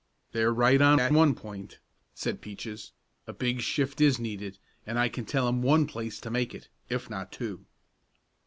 "They're right on that one point," said Peaches, "a big shift is needed, and I can tell 'em one place to make it, if not two."